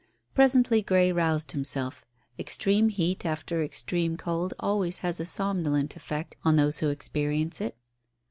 Presently Grey roused himself. Extreme heat after extreme cold always has a somnolent effect on those who experience it.